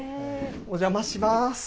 お邪魔します。